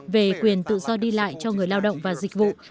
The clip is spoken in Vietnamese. về quyền tự do đi lại cho người lao động và dịch vụ